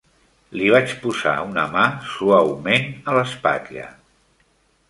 Li vaig posar una mà suaument a l'espatlla.